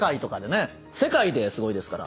世界ですごいですから。